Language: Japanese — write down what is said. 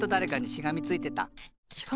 しがみついてた？